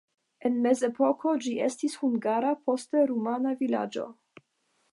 En mezepoko ĝi estis hungara, poste rumana vilaĝo.